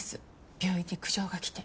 病院に苦情が来て。